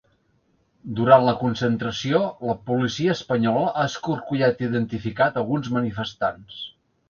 Durant la concentració, la policia espanyola ha escorcollat i identificat alguns manifestants.